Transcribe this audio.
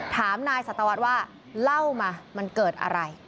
ถามนายสัตวรรษว่าเล่ามามันเกิดอะไร